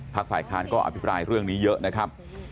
ฝ่ายค้านก็อภิปรายเรื่องนี้เยอะนะครับ